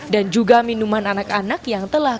dan juga minuman anak anak yang telah